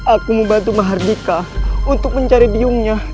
aku membantu mahardika untuk mencari biumnya